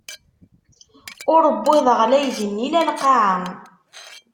Ur wwiḍeɣ la igenni, la lqaɛa.